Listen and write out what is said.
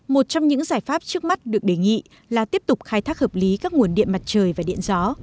một trong những giải pháp trước mắt được đề nghị là tiếp tục khai thác hợp lý các nguồn điện mặt trời và điện gió